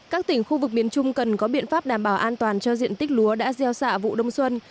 các tỉnh khu vực miền trung cần có biện pháp đảm bảo an toàn cho diện tích lúa đã gieo xạ vụ đông xuân